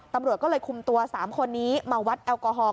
ตำรวจก็เลยคุมตัว๓คนนี้มาวัดแอลกอฮอล